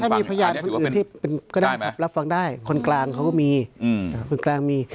ถ้ามีพยานคนอื่นที่ก็ได้รับรับฟังได้คนกลางเขาก็มี